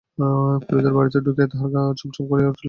কুরিদের বাড়িতে ঢুকিয়া তাঁহার গা ছম ছম করিয়া উঠিল।